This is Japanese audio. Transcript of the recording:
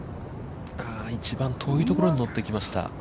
一番遠いところに乗ってきました。